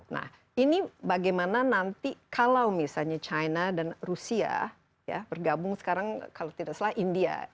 nah ini bagaimana nanti kalau misalnya china dan rusia ya bergabung sekarang kalau tidak salah india